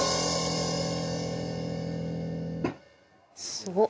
すごっ！